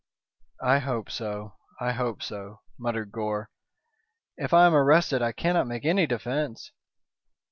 "I hope so, I hope so," muttered Gore. "If I am arrested I cannot make any defence."